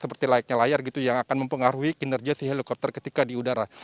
seperti layaknya layar gitu yang akan mempengaruhi kinerja si helikopter ketika di udara